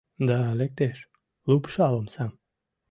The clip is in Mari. Да лектеш, лупшал омсам.